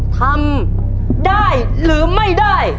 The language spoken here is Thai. ทำได้หรือไม่ได้